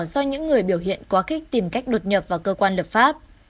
do những người biểu hiện quá khích tìm cách đột nhập vào cơ quan lập pháp